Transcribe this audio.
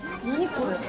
これ。